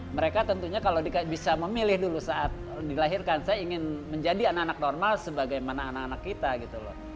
mereka tentunya kalau bisa memilih dulu saat dilahirkan saya ingin menjadi anak anak normal sebagaimana anak anak kita gitu loh